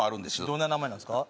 どんな名前なんですか？